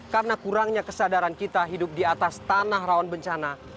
karena kurangnya kesadaran kita hidup di atas tanah rawan bencana